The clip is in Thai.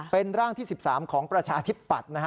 เป็นร่างที่๑๓ของประชาธิปัฏ